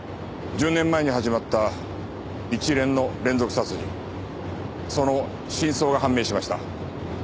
１０年前に始まった一連の連続殺人その真相が判明しました。